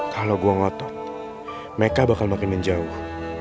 kalau gue ngotot mereka bakal makin menjauh